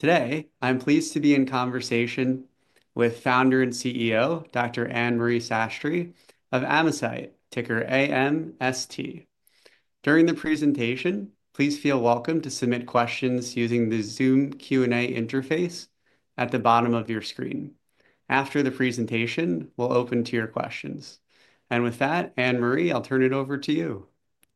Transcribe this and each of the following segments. Today, I'm pleased to be in conversation with Founder and CEO, Dr. Ann Marie Sastry of Amesite, ticker AMST. During the presentation, please feel welcome to submit questions using the Zoom Q&A interface at the bottom of your screen. After the presentation, we'll open to your questions. And with that, Ann Marie, I'll turn it over to you.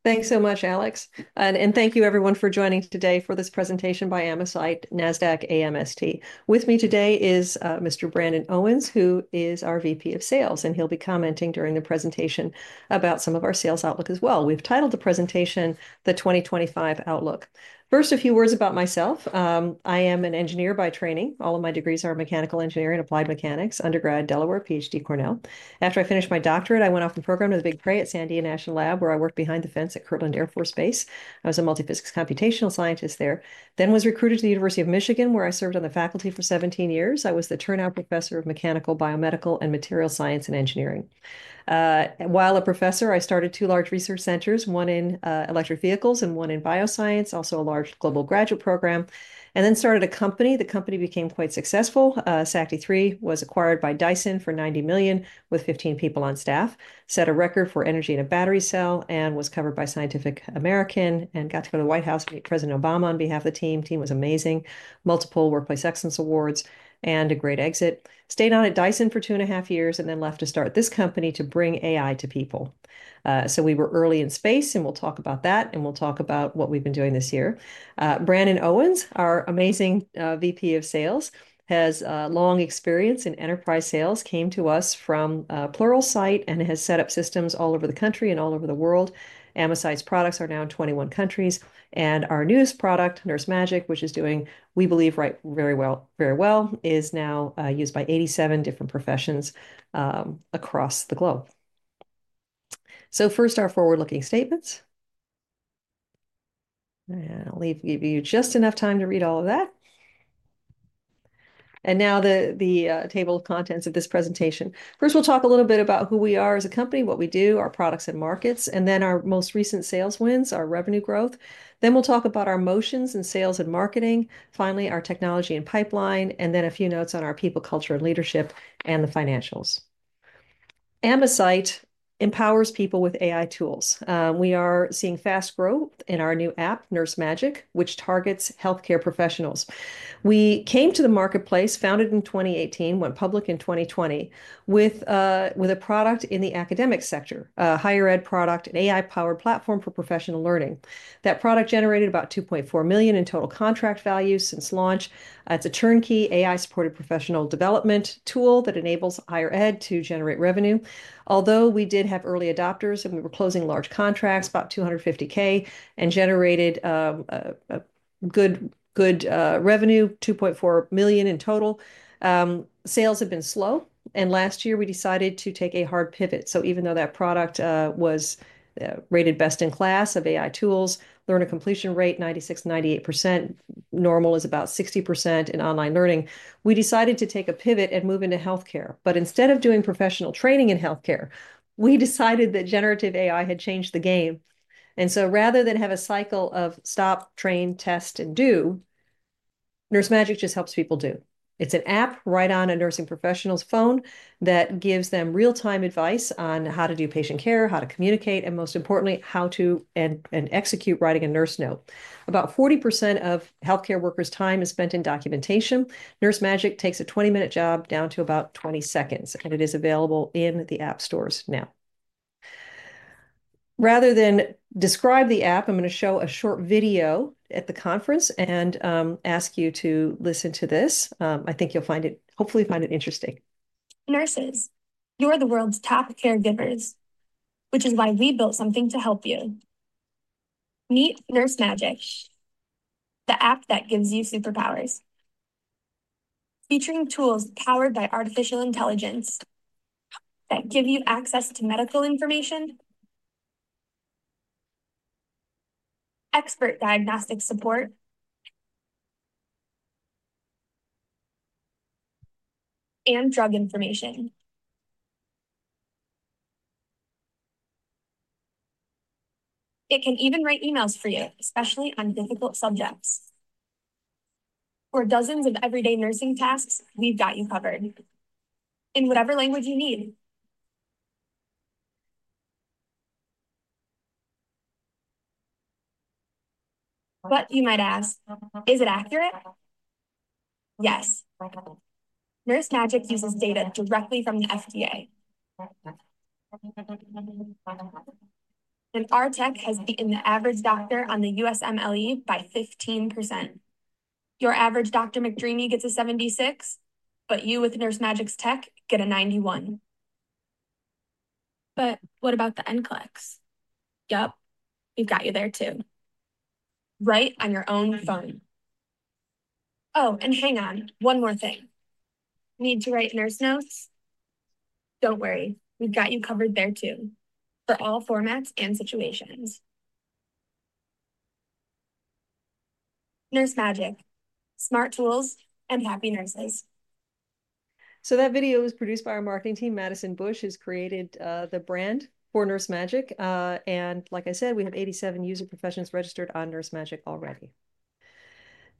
Thanks so much, Alex. And thank you, everyone, for joining today for this presentation by Amesite Nasdaq AMST. With me today is Mr. Brandon Owens, who is our VP of Sales, and he'll be commenting during the presentation about some of our sales outlook as well. We've titled the presentation "The 2025 Outlook." First, a few words about myself. I am an engineer by training. All of my degrees are Mechanical Engineering and Applied Mechanics, undergrad Delaware, PhD Cornell. After I finished my doctorate, I went off and programmed with a big Cray at Sandia National Laboratories, where I worked behind the fence at Kirtland Air Force Base. I was a multiphysics computational scientist there, then was recruited to the University of Michigan, where I served on the faculty for 17 years. I was the Thurnau Professor of Mechanical, Biomedical, and Materials Science and Engineering. While a professor, I started two large research centers, one in electric vehicles and one in bioscience, also a large global graduate program, and then started a company. The company became quite successful. Sakti3 was acquired by Dyson for $90 million with 15 people on staff, set a record for energy in a battery cell, and was covered by Scientific American and got to go to the White House to meet President Obama on behalf of the team. The team was amazing, multiple workplace excellence awards, and a great exit. Stayed on at Dyson for two and a half years and then left to start this company to bring AI to people. So we were early in space, and we'll talk about that, and we'll talk about what we've been doing this year. Brandon Owens, our amazing VP of Sales, has long experience in enterprise sales, came to us from Pluralsight, and has set up systems all over the country and all over the world. Amesite's products are now in 21 countries, and our newest product, NurseMagic, which is doing, we believe, very well, very well, is now used by 87 different professions across the globe. So first, our forward-looking statements. And I'll leave you just enough time to read all of that. And now the table of contents of this presentation. First, we'll talk a little bit about who we are as a company, what we do, our products and markets, and then our most recent sales wins, our revenue growth. Then we'll talk about our motions in sales and marketing. Finally, our technology and pipeline, and then a few notes on our people, culture, and leadership and the financials. Amesite empowers people with AI tools. We are seeing fast growth in our new app, NurseMagic, which targets healthcare professionals. We came to the marketplace, founded in 2018, went public in 2020 with a product in the academic sector, a higher ed product, an AI-powered platform for professional learning. That product generated about $2.4 million in total contract value since launch. It's a turnkey AI-supported professional development tool that enables higher ed to generate revenue. Although we did have early adopters and we were closing large contracts, about $250,000, and generated good revenue, $2.4 million in total, sales have been slow, and last year, we decided to take a hard pivot, so even though that product was rated best in class of AI tools, learner completion rate 96% to 98%, normal is about 60% in online learning, we decided to take a pivot and move into healthcare. But instead of doing professional training in healthcare, we decided that generative AI had changed the game. And so rather than have a cycle of stop, train, test, and do, NurseMagic just helps people do. It's an app right on a nursing professional's phone that gives them real-time advice on how to do patient care, how to communicate, and most importantly, how to execute writing a nurse note. About 40% of healthcare workers' time is spent in documentation. NurseMagic takes a 20-minute job down to about 20 seconds, and it is available in the app stores now. Rather than describe the app, I'm going to show a short video at the conference and ask you to listen to this. I think you'll find it, hopefully, find it interesting. Nurses, you are the world's top caregivers, which is why we built something to help you. Meet NurseMagic, the app that gives you superpowers, featuring tools powered by artificial intelligence that give you access to medical information, expert diagnostic support, and drug information. It can even write emails for you, especially on difficult subjects. For dozens of everyday nursing tasks, we've got you covered in whatever language you need. But you might ask, is it accurate? Yes. NurseMagic uses data directly from the FDA. And our tech has beaten the average doctor on the USMLE by 15%. Your average Dr. McDreamy gets a 76, but you with NurseMagic's tech get a 91. But what about the NCLEX? Yep, we've got you there too, right on your own phone. Oh, and hang on, one more thing. Need to write nurse notes? Don't worry. We've got you covered there too for all formats and situations. NurseMagic, smart tools, and happy nurses. So that video was produced by our marketing team. Madison Bush has created the brand for NurseMagic. And like I said, we have 87 user professions registered on NurseMagic already.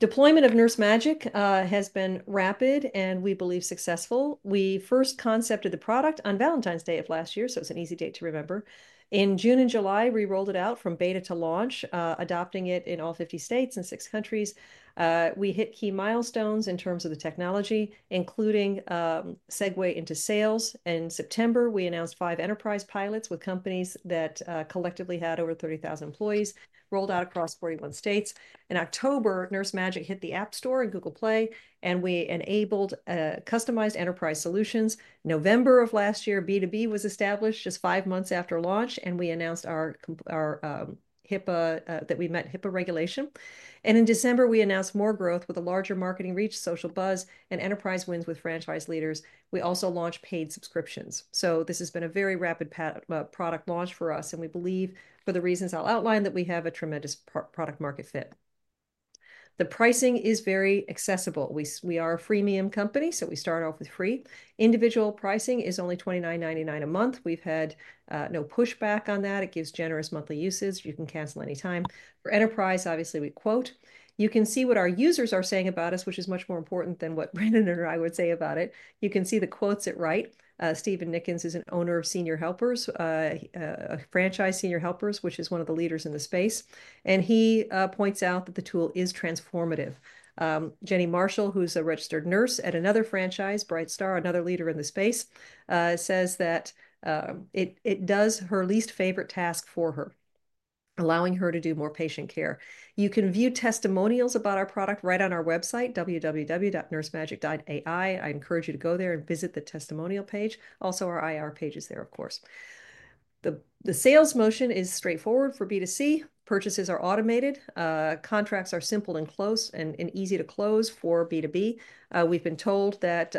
Deployment of NurseMagic has been rapid and we believe successful. We first concepted the product on Valentine's Day of last year, so it's an easy date to remember. In June and July, we rolled it out from beta to launch, adopting it in all 50 states and six countries. We hit key milestones in terms of the technology, including segue into sales. In September, we announced five enterprise pilots with companies that collectively had over 30,000 employees, rolled out across 41 states. In October, NurseMagic hit the App Store and Google Play, and we enabled customized enterprise solutions. November of last year, B2B was established just five months after launch, and we announced our HIPAA that we met HIPAA regulation, and in December, we announced more growth with a larger marketing reach, social buzz, and enterprise wins with franchise leaders. We also launched paid subscriptions, so this has been a very rapid product launch for us, and we believe, for the reasons I'll outline, that we have a tremendous product-market fit. The pricing is very accessible. We are a freemium company, so we start off with free. Individual pricing is only $29.99 a month. We've had no pushback on that. It gives generous monthly usage. You can cancel any time. For enterprise, obviously, we quote. You can see what our users are saying about us, which is much more important than what Brandon or I would say about it. You can see the quotes at right. Steven Nickens is an owner of Senior Helpers, a Senior Helpers franchise, which is one of the leaders in the space. And he points out that the tool is transformative. Jenny Marshall, who's a registered nurse at another franchise, BrightStar, another leader in the space, says that it does her least favorite task for her, allowing her to do more patient care. You can view testimonials about our product right on our website, www.nursemagic.ai. I encourage you to go there and visit the testimonial page. Also, our IR page is there, of course. The sales motion is straightforward for B2C. Purchases are automated. Contracts are simple and close and easy to close for B2B. We've been told that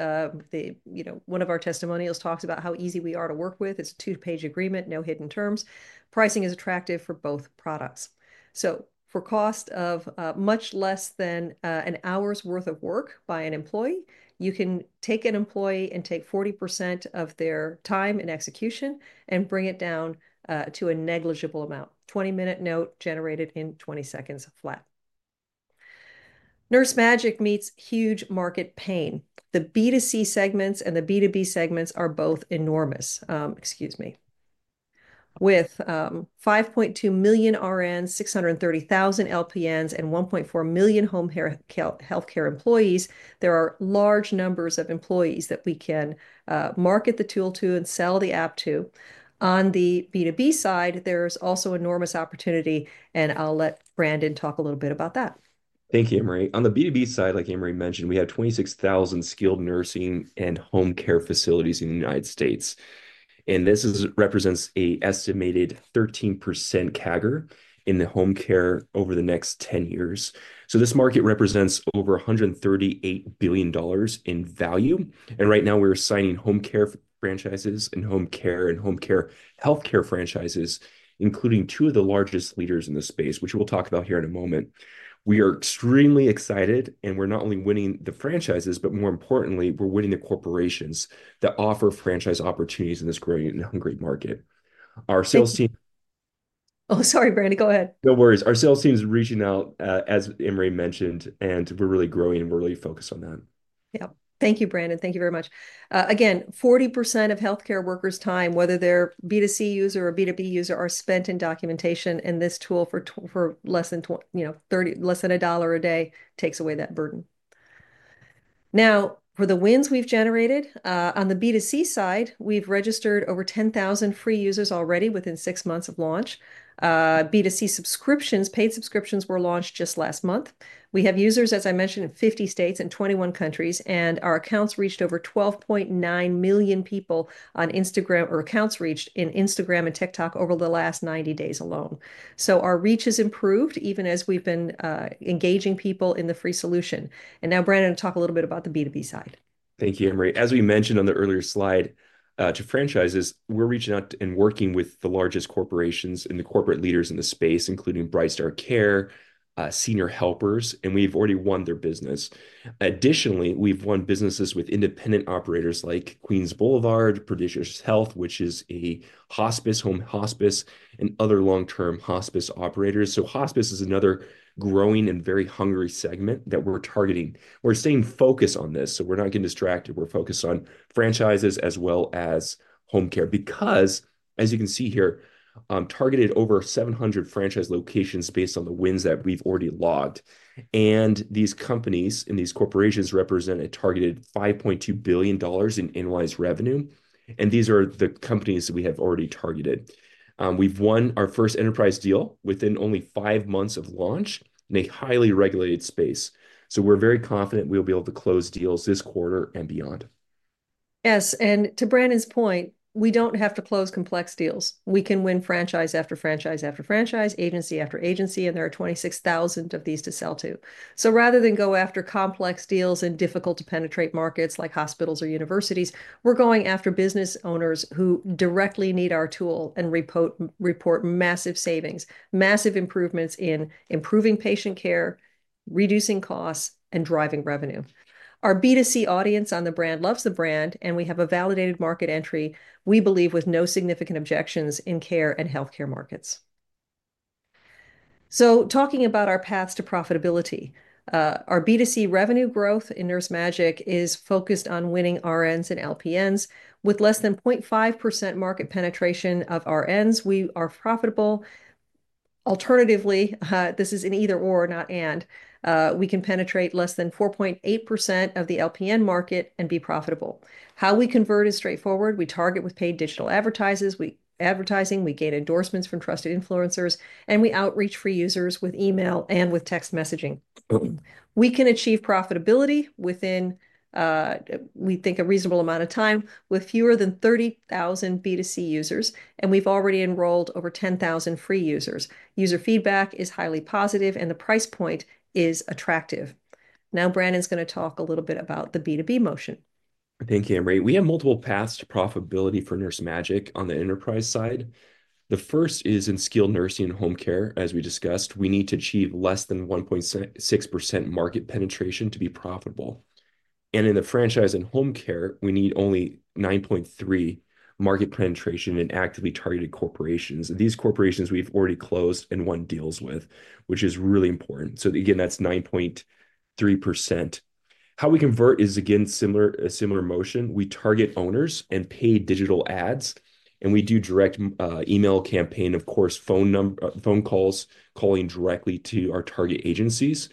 one of our testimonials talks about how easy we are to work with. It's a two-page agreement, no hidden terms. Pricing is attractive for both products. So for cost of much less than an hour's worth of work by an employee, you can take an employee and take 40% of their time and execution and bring it down to a negligible amount. 20-minute note generated in 20 seconds flat. NurseMagic meets huge market pain. The B2C segments and the B2B segments are both enormous. Excuse me. With 5.2 million RNs, 630,000 LPNs, and 1.4 million home healthcare employees, there are large numbers of employees that we can market the tool to and sell the app to. On the B2B side, there's also enormous opportunity, and I'll let Brandon talk a little bit about that. Thank you, Ann Marie. On the B2B side, like Ann Marie mentioned, we have 26,000 skilled nursing and home care facilities in the United States. This represents an estimated 13% CAGR in the home care over the next 10 years. So this market represents over $138 billion in value. Right now, we're signing home care franchises and home care healthcare franchises, including two of the largest leaders in the space, which we'll talk about here in a moment. We are extremely excited, and we're not only winning the franchises, but more importantly, we're winning the corporations that offer franchise opportunities in this growing and hungry market. Our sales team. Oh, sorry, Brandon. Go ahead. No worries. Our sales team is reaching out, as Ann Marie mentioned, and we're really growing, and we're really focused on that. Yep. Thank you, Brandon. Thank you very much. Again, 40% of healthcare workers' time, whether they're B2C user or B2B user, are spent in documentation, and this tool for less than $30, less than a dollar a day, takes away that burden. Now, for the wins we've generated, on the B2C side, we've registered over 10,000 free users already within six months of launch. B2C subscriptions, paid subscriptions, were launched just last month. We have users, as I mentioned, in 50 states and 21 countries, and our accounts reached over 12.9 million people on Instagram or accounts reached in Instagram and TikTok over the last 90 days alone, so our reach has improved even as we've been engaging people in the free solution, and now, Brandon, talk a little bit about the B2B side. Thank you, Ann Marie. As we mentioned on the earlier slide, to franchises, we're reaching out and working with the largest corporations and the corporate leaders in the space, including BrightStar Care, Senior Helpers, and we've already won their business. Additionally, we've won businesses with independent operators like Queens Boulevard, Prodigious Health, which is a hospice, home hospice, and other long-term hospice operators. So hospice is another growing and very hungry segment that we're targeting. We're staying focused on this, so we're not getting distracted. We're focused on franchises as well as home care. Because, as you can see here, targeted over 700 franchise locations based on the wins that we've already logged. And these companies and these corporations represent a targeted $5.2 billion in annualized revenue. And these are the companies that we have already targeted. We've won our first enterprise deal within only five months of launch in a highly regulated space, so we're very confident we'll be able to close deals this quarter and beyond. Yes. And to Brandon's point, we don't have to close complex deals. We can win franchise after franchise after franchise, agency after agency, and there are 26,000 of these to sell to. So rather than go after complex deals in difficult-to-penetrate markets like hospitals or universities, we're going after business owners who directly need our tool and report massive savings, massive improvements in improving patient care, reducing costs, and driving revenue. Our B2C audience on the brand loves the brand, and we have a validated market entry, we believe, with no significant objections in care and healthcare markets. So talking about our paths to profitability, our B2C revenue growth in NurseMagic is focused on winning RNs and LPNs. With less than 0.5% market penetration of RNs, we are profitable. Alternatively, this is an either/or, not/and. We can penetrate less than 4.8% of the LPN market and be profitable. How we convert is straightforward. We target with paid digital advertising. We gain endorsements from trusted influencers, and we outreach for users with email and with text messaging. We can achieve profitability within, we think, a reasonable amount of time with fewer than 30,000 B2C users, and we've already enrolled over 10,000 free users. User feedback is highly positive, and the price point is attractive. Now, Brandon's going to talk a little bit about the B2B motion. Thank you, Ann Marie. We have multiple paths to profitability for NurseMagic on the enterprise side. The first is in skilled nursing and home care. As we discussed, we need to achieve less than 1.6% market penetration to be profitable, and in the franchise and home care, we need only 9.3% market penetration in actively targeted corporations. These corporations, we've already closed and won deals with, which is really important, so again, that's 9.3%. How we convert is, again, similar a similar motion. We target owners and pay digital ads, and we do direct email campaign, of course, phone calls, calling directly to our target agencies,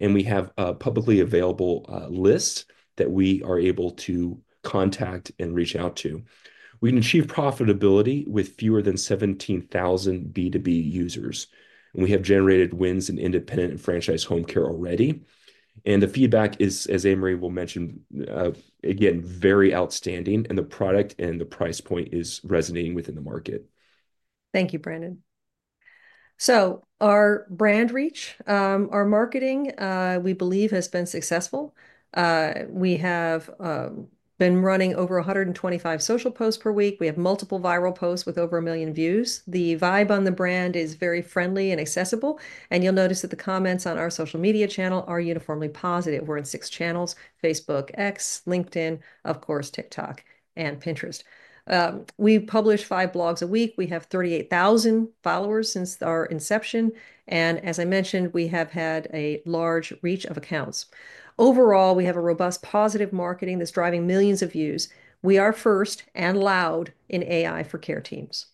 and we have a publicly available list that we are able to contact and reach out to. We can achieve profitability with fewer than 17,000 B2B users, and we have generated wins in independent and franchise home care already. The feedback is, as Ann Marie will mention, again, very outstanding, and the product and the price point is resonating within the market. Thank you, Brandon. So our brand reach, our marketing, we believe, has been successful. We have been running over 125 social posts per week. We have multiple viral posts with over a million views. The vibe on the brand is very friendly and accessible. And you'll notice that the comments on our social media channel are uniformly positive. We're in six channels: Facebook, X, LinkedIn, of course, TikTok, and Pinterest. We publish five blogs a week. We have 38,000 followers since our inception. And as I mentioned, we have had a large reach of accounts. Overall, we have a robust positive marketing that's driving millions of views. We are first and loud in AI for care teams.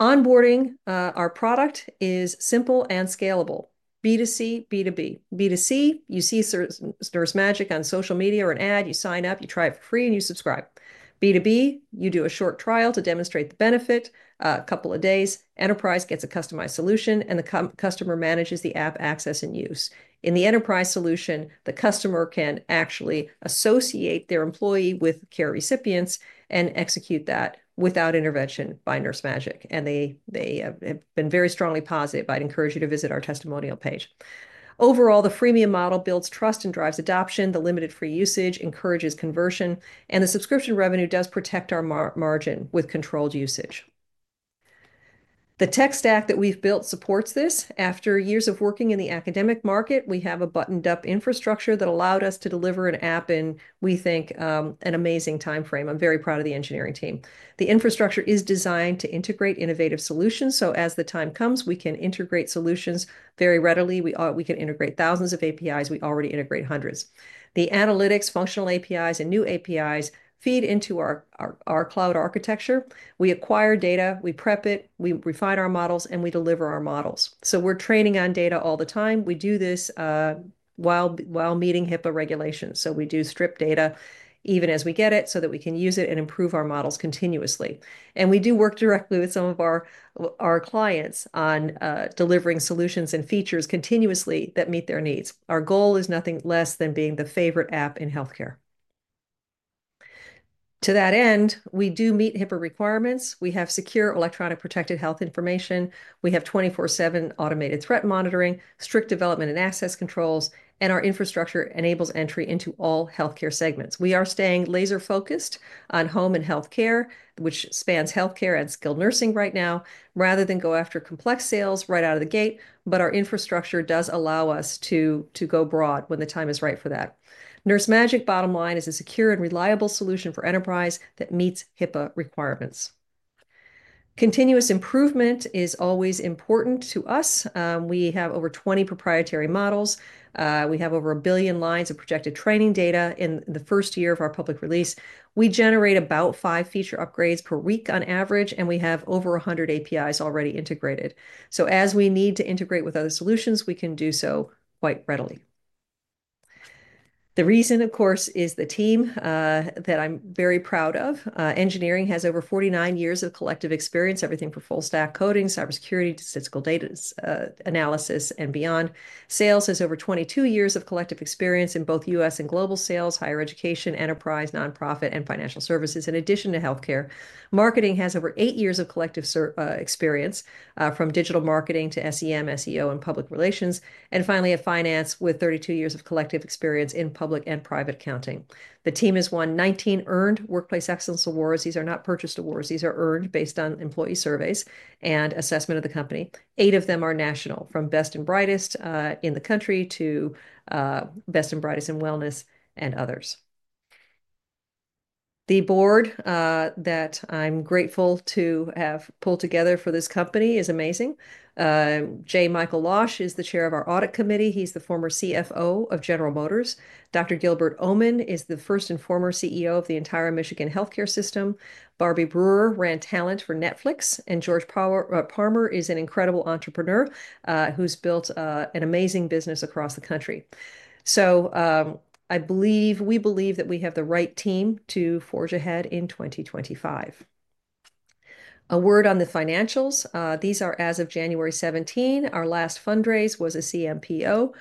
Onboarding our product is simple and scalable: B2C, B2B. B2C, you see NurseMagic on social media or an ad. You sign up, you try it for free, and you subscribe. B2B, you do a short trial to demonstrate the benefit, a couple of days. Enterprise gets a customized solution, and the customer manages the app access and use. In the enterprise solution, the customer can actually associate their employee with care recipients and execute that without intervention by NurseMagic. And they have been very strongly positive. I'd encourage you to visit our testimonial page. Overall, the freemium model builds trust and drives adoption. The limited free usage encourages conversion, and the subscription revenue does protect our margin with controlled usage. The tech stack that we've built supports this. After years of working in the academic market, we have a buttoned-up infrastructure that allowed us to deliver an app in, we think, an amazing time frame. I'm very proud of the engineering team. The infrastructure is designed to integrate innovative solutions. So as the time comes, we can integrate solutions very readily. We can integrate thousands of APIs. We already integrate hundreds. The analytics, functional APIs, and new APIs feed into our cloud architecture. We acquire data, we prep it, we refine our models, and we deliver our models. So we're training on data all the time. We do this while meeting HIPAA regulations. So we do strip data even as we get it so that we can use it and improve our models continuously. And we do work directly with some of our clients on delivering solutions and features continuously that meet their needs. Our goal is nothing less than being the favorite app in healthcare. To that end, we do meet HIPAA requirements. We have secure electronic protected health information. We have 24/7 automated threat monitoring, strict development and access controls, and our infrastructure enables entry into all healthcare segments. We are staying laser-focused on home and healthcare, which spans healthcare and skilled nursing right now, rather than go after complex sales right out of the gate. But our infrastructure does allow us to go broad when the time is right for that. NurseMagic, bottom line, is a secure and reliable solution for enterprise that meets HIPAA requirements. Continuous improvement is always important to us. We have over 20 proprietary models. We have over a billion lines of projected training data in the first year of our public release. We generate about five feature upgrades per week on average, and we have over 100 APIs already integrated. So as we need to integrate with other solutions, we can do so quite readily. The reason, of course, is the team that I'm very proud of. Engineering has over 49 years of collective experience, everything from full-stack coding, cybersecurity, statistical data analysis, and beyond. Sales has over 22 years of collective experience in both U.S. and global sales, higher education, enterprise, nonprofit, and financial services, in addition to healthcare. Marketing has over eight years of collective experience from digital marketing to SEM, SEO, and public relations. And finally, at finance, with 32 years of collective experience in public and private accounting. The team has won 19 earned workplace excellence awards. These are not purchased awards. These are earned based on employee surveys and assessment of the company. Eight of them are national, from Best and Brightest in the country to Best and Brightest in wellness and others. The board that I'm grateful to have pulled together for this company is amazing. J. Michael Losh is the chair of our audit committee. He's the former CFO of General Motors. Dr. Gilbert Omenn is the first and foremost CEO of the entire Michigan healthcare system. Barbie Brewer ran talent for Netflix, and George Parmer is an incredible entrepreneur who's built an amazing business across the country. I believe we have the right team to forge ahead in 2025. A word on the financials. These are, as of January 17, our last fundraise was a CMPO.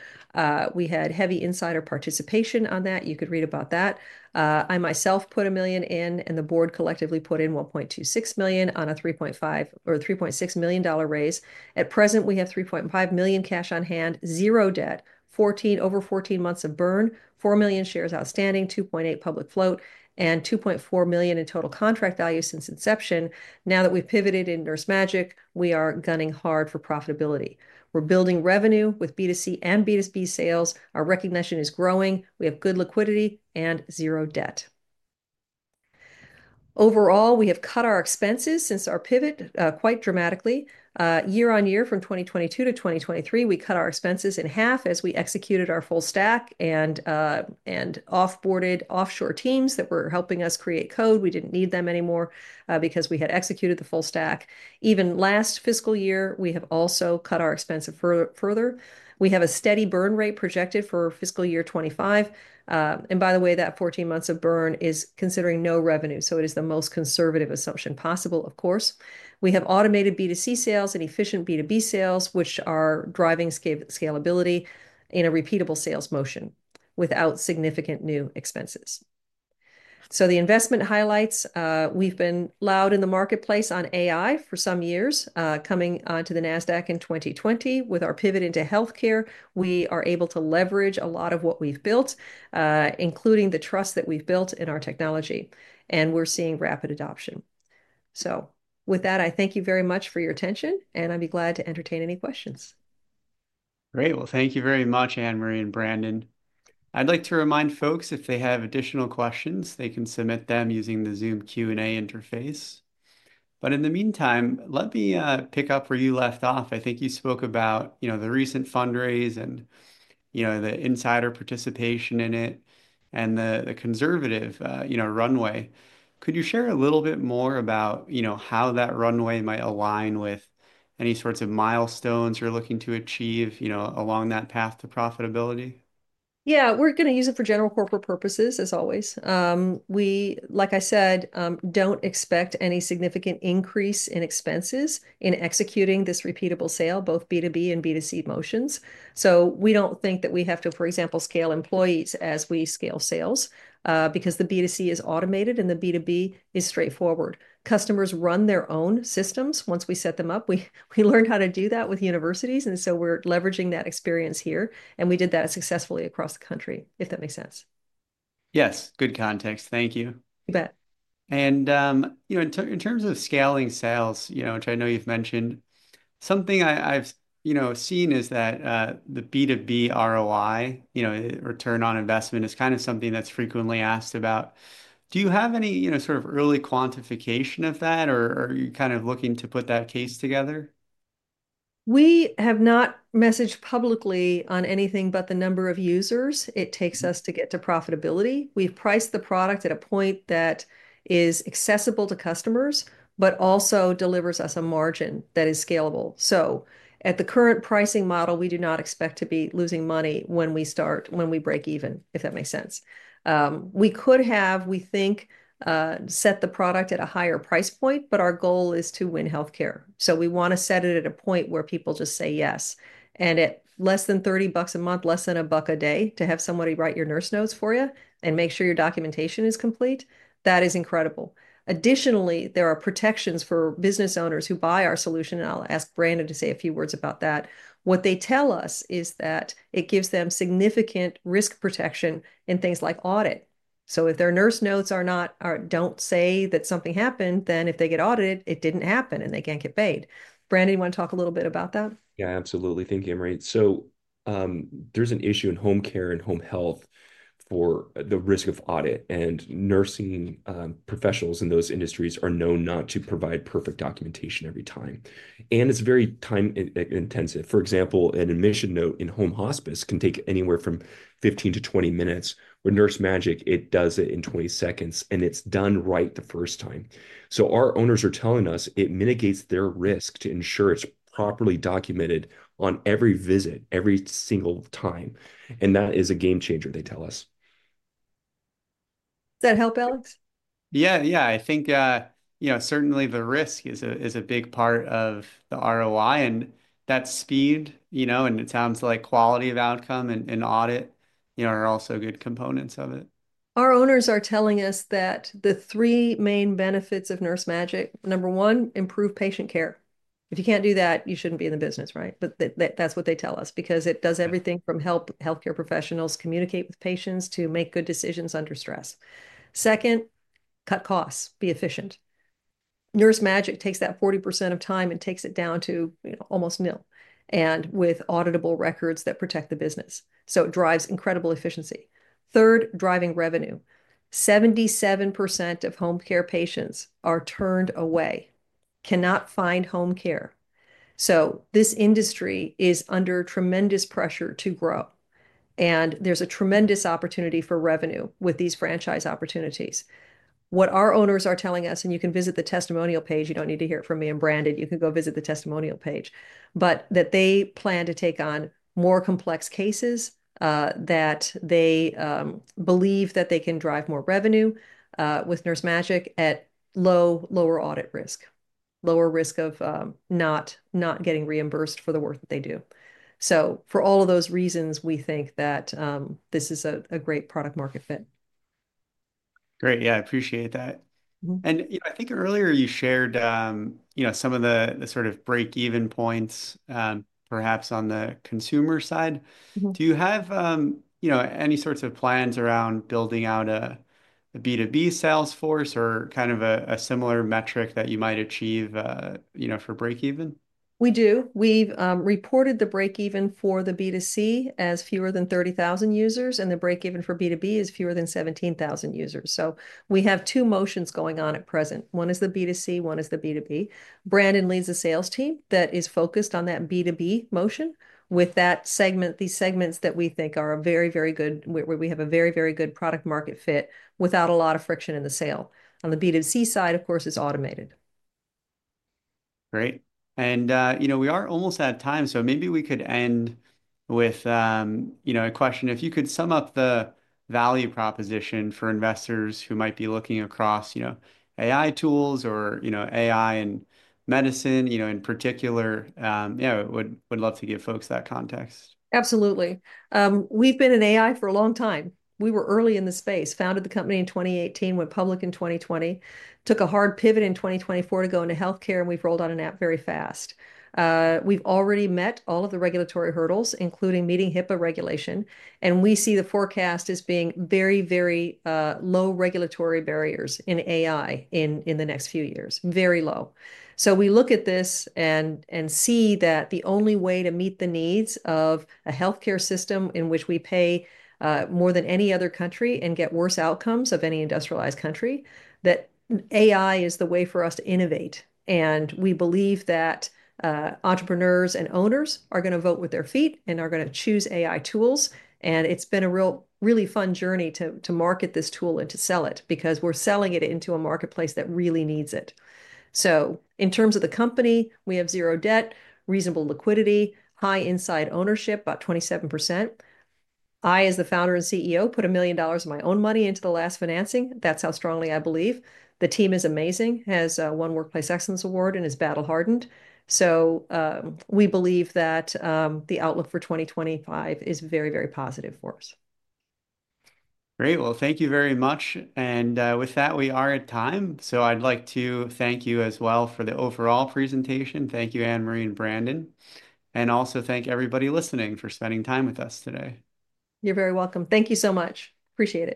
We had heavy insider participation on that. You could read about that. I myself put $1 million in, and the board collectively put in $1.26 million on a $3.5 million or $3.6 million raise. At present, we have $3.5 million cash on hand, zero debt, over 14 months of burn, 4 million shares outstanding, 2.8 million public float, and $2.4 million in total contract value since inception. Now that we've pivoted in NurseMagic, we are gunning hard for profitability. We're building revenue with B2C and B2B sales. Our recognition is growing. We have good liquidity and zero debt. Overall, we have cut our expenses since our pivot quite dramatically. Year on year, from 2022 to 2023, we cut our expenses in half as we executed our full stack and offboarded offshore teams that were helping us create code. We didn't need them anymore because we had executed the full stack. Even last fiscal year, we have also cut our expenses further. We have a steady burn rate projected for fiscal year 2025. And by the way, that 14 months of burn is considering no revenue. So it is the most conservative assumption possible, of course. We have automated B2C sales and efficient B2B sales, which are driving scalability in a repeatable sales motion without significant new expenses. So the investment highlights, we've been loud in the marketplace on AI for some years, coming onto the Nasdaq in 2020. With our pivot into healthcare, we are able to leverage a lot of what we've built, including the trust that we've built in our technology, and we're seeing rapid adoption, so with that, I thank you very much for your attention, and I'd be glad to entertain any questions. Great. Well, thank you very much, Ann Marie and Brandon. I'd like to remind folks, if they have additional questions, they can submit them using the Zoom Q&A interface. But in the meantime, let me pick up where you left off. I think you spoke about the recent fundraise and the insider participation in it and the conservative runway. Could you share a little bit more about how that runway might align with any sorts of milestones you're looking to achieve along that path to profitability? Yeah, we're going to use it for general corporate purposes, as always. We, like I said, don't expect any significant increase in expenses in executing this repeatable sale, both B2B and B2C motions. So we don't think that we have to, for example, scale employees as we scale sales because the B2C is automated and the B2B is straightforward. Customers run their own systems. Once we set them up, we learned how to do that with universities. And so we're leveraging that experience here. And we did that successfully across the country, if that makes sense. Yes, good context. Thank you. You bet. In terms of scaling sales, which I know you've mentioned, something I've seen is that the B2B ROI, return on investment, is kind of something that's frequently asked about. Do you have any sort of early quantification of that, or are you kind of looking to put that case together? We have not messaged publicly on anything but the number of users it takes us to get to profitability. We've priced the product at a point that is accessible to customers, but also delivers us a margin that is scalable, so at the current pricing model, we do not expect to be losing money when we start, when we break even, if that makes sense. We could have, we think, set the product at a higher price point, but our goal is to win healthcare, so we want to set it at a point where people just say yes, and at less than $30 a month, less than $1 a day, to have somebody write your nurse notes for you and make sure your documentation is complete, that is incredible. Additionally, there are protections for business owners who buy our solution, and I'll ask Brandon to say a few words about that. What they tell us is that it gives them significant risk protection in things like audit. So if their nurse notes don't say that something happened, then if they get audited, it didn't happen and they can't get paid. Brandon, you want to talk a little bit about that? Yeah, absolutely. Thank you, Ann Marie. So there's an issue in home care and home health for the risk of audit. And nursing professionals in those industries are known not to provide perfect documentation every time. And it's very time-intensive. For example, an admission note in home hospice can take anywhere from 15-20 minutes. With NurseMagic, it does it in 20 seconds, and it's done right the first time. So our owners are telling us it mitigates their risk to ensure it's properly documented on every visit, every single time. And that is a game changer, they tell us. Does that help, Alex? Yeah, yeah. I think certainly the risk is a big part of the ROI and that speed, and it sounds like quality of outcome and audit are also good components of it. Our owners are telling us that the three main benefits of NurseMagic, number one, improve patient care. If you can't do that, you shouldn't be in the business, right? But that's what they tell us because it does everything from help healthcare professionals communicate with patients to make good decisions under stress. Second, cut costs, be efficient. NurseMagic takes that 40% of time and takes it down to almost nil, and with auditable records that protect the business. So it drives incredible efficiency. Third, driving revenue. 77% of home care patients are turned away, cannot find home care. So this industry is under tremendous pressure to grow, and there's a tremendous opportunity for revenue with these franchise opportunities. What our owners are telling us, and you can visit the testimonial page. You don't need to hear it from me and Brandon. You can go visit the testimonial page, but that they plan to take on more complex cases, that they believe that they can drive more revenue with NurseMagic at lower audit risk, lower risk of not getting reimbursed for the work that they do, so for all of those reasons, we think that this is a great product-market fit. Great. Yeah, I appreciate that. And I think earlier you shared some of the sort of break-even points, perhaps on the consumer side. Do you have any sorts of plans around building out a B2B salesforce or kind of a similar metric that you might achieve for break-even? We do. We've reported the break-even for the B2C as fewer than 30,000 users, and the break-even for B2B is fewer than 17,000 users. So we have two motions going on at present. One is the B2C, one is the B2B. Brandon leads a sales team that is focused on that B2B motion with these segments that we think are very, very good, where we have a very, very good product-market fit without a lot of friction in the sale. On the B2C side, of course, it's automated. Great. And we are almost out of time, so maybe we could end with a question. If you could sum up the value proposition for investors who might be looking across AI tools or AI and medicine in particular, we'd love to give folks that context. Absolutely. We've been in AI for a long time. We were early in the space, founded the company in 2018, went public in 2020, took a hard pivot in 2024 to go into healthcare, and we've rolled out an app very fast. We've already met all of the regulatory hurdles, including meeting HIPAA regulation. And we see the forecast as being very, very low regulatory barriers in AI in the next few years, very low. So we look at this and see that the only way to meet the needs of a healthcare system in which we pay more than any other country and get worse outcomes of any industrialized country, that AI is the way for us to innovate. And we believe that entrepreneurs and owners are going to vote with their feet and are going to choose AI tools. It's been a really fun journey to market this tool and to sell it because we're selling it into a marketplace that really needs it. In terms of the company, we have zero debt, reasonable liquidity, high inside ownership, about 27%. I, as the founder and CEO, put $1 million of my own money into the last financing. That's how strongly I believe. The team is amazing, has won workplace excellence award, and is battle-hardened. We believe that the outlook for 2025 is very, very positive for us. Great. Well, thank you very much. And with that, we are at time. So I'd like to thank you as well for the overall presentation. Thank you, Ann Marie and Brandon. And also thank everybody listening for spending time with us today. You're very welcome. Thank you so much. Appreciate it.